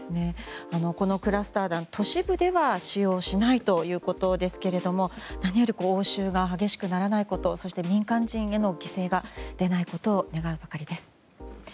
このクラスター弾都市部では使用しないということですけども何より応酬が激しくならないことそして、民間人への犠牲が出ないことを願うばかりです。